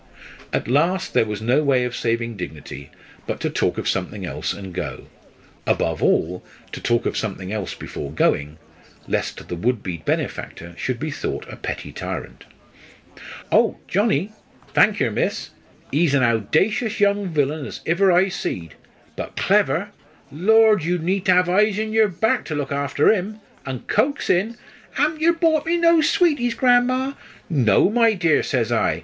At last there was no way of saving dignity but to talk of something else and go above all, to talk of something else before going, lest the would be benefactor should be thought a petty tyrant. "Oh, Johnnie? thank yer, miss 'e's an owdacious young villain as iver I seed but clever lor', you'd need 'ave eyes in yer back to look after 'im. An' coaxin'! ''Aven't yer brought me no sweeties, Gran'ma?' 'No, my dear,' says I.